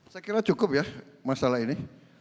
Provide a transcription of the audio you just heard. saya kira cukup ya masalah ini